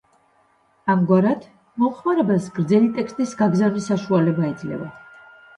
ამგვარად, მომხმარებელს გრძელი ტექსტის გაგზავნის საშუალება ეძლევა.